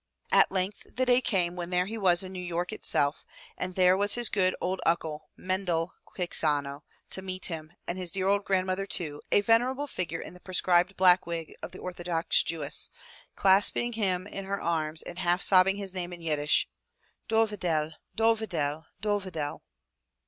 At length the day came when there he was in New York itself, and there was his good uncle, Mendel Quixano, to meet him, and his dear old grandmother too, a venerable figure in the prescribed black wig of the orthodox Jewess, clasping him in her arms and half sobbing his name in Yiddish, "Dovidel! Dovidel! Dovidel!'